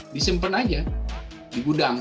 disimpan saja digudang